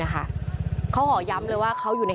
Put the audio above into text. พวกมันต้องกินกันพี่